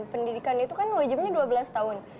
pendidikan itu kan wajibnya dua belas tahun